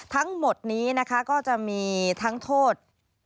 ทั้งหมดนี้นะคะก็จะมีทั้งโทษ